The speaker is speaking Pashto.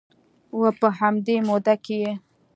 و په همدې موده کې یې